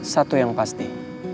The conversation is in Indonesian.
satu yang pasti